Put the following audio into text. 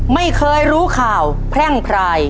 ไม่เคยรู้ข่าวแพร่งพราย